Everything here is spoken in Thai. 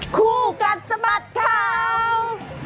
คู่กัดสะบัดข่าว